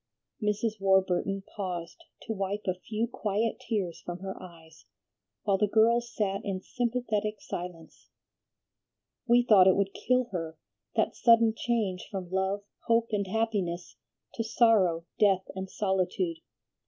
Mrs. Warburton paused to wipe a few quiet tears from her eyes, while the girls sat in sympathetic silence. "We thought it would kill her, that sudden change from love, hope, and happiness to sorrow, death, and solitude.